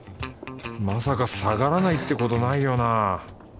まさか下がらないってことないよな？